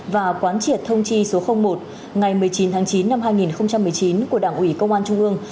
và quán triệt thông chi số một ngày một mươi chín tháng chín năm hai nghìn một mươi chín của đảng ủy công an trung ương